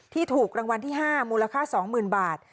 ถูกรางวัลที่๕มูลค่า๒๐๐๐บาท